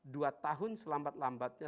dua tahun selambat lambatnya